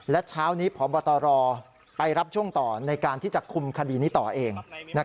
และเช้านี้พบตรไปรับช่วงต่อในการที่จะคุมคดีนี้ต่อเอง